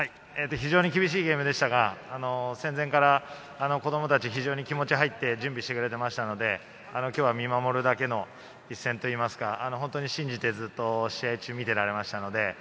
非常に厳しい試合でしたが、戦前から子供たち、非常に気持ちが入って準備してくれていましたので、今日は見守るだけの一戦といいますか、信じて試合中、見てられました。